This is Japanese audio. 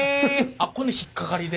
あっこのひっかかりで？